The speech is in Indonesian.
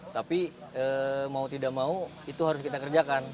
tapi mau tidak mau itu harus kita kerjakan